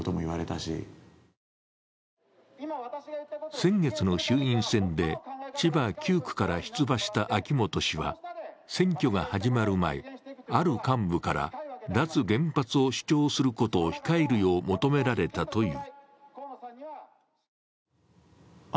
先月の衆院選で千葉９区から出馬した秋本氏は選挙が始まる前、ある幹部から脱原発を主張することを控えるよう求められたという。